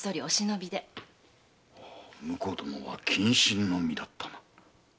婿殿は謹慎の身だったな。